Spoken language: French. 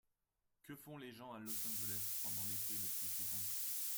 Que font les gens à Los Angeles pendant l'été le plus souvent ?